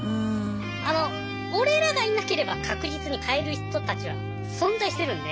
あの俺らがいなければ確実に買える人たちは存在してるんで。